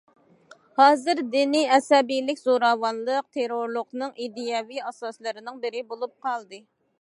ھازىر دىنىي ئەسەبىيلىك زوراۋانلىق، تېررورلۇقنىڭ ئىدىيەۋى ئاساسلىرىنىڭ بىرى بولۇپ قالدى.